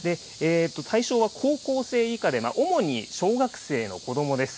対象は高校生以下で、主に小学生の子どもです。